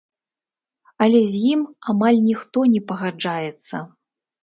Але з ім амаль ніхто не пагаджаецца.